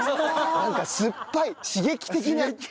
なんか酸っぱい刺激的な。